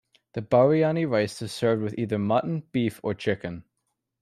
The bariani rice is served with either mutton, beef or chicken.